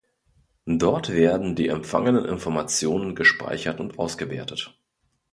Dort werden die empfangenen Informationen gespeichert und ausgewertet.